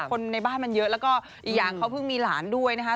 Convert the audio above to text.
คนในบ้านมันเยอะแล้วก็อีกอย่างเขาเพิ่งมีหลานด้วยนะคะ